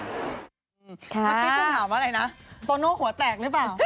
เมื่อกี้ผมถามอะไรนะตอนโนหัวแตกหรือเปล่า